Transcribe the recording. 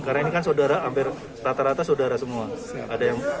karena ini kan saudara hampir rata rata saudara semua